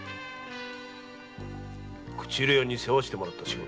口入れ屋に世話してもらった仕事？